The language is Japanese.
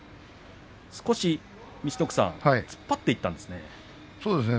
陸奥さん、少し突っ張っていったんですね。